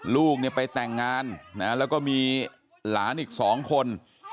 ลูกเนี่ยไปแต่งงานนะแล้วก็มีหลานอีก๒คน